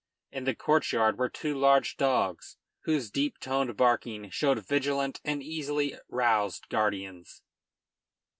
In the courtyard were two large dogs, whose deep toned barking showed vigilant and easily roused guardians.